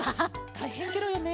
たいへんケロよね。